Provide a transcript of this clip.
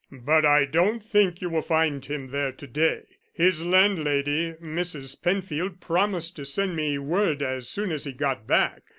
"But I don't think you will find him there to day. His landlady, Mrs. Penfield, promised to send me word as soon as he got back.